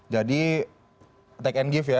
jadi take and give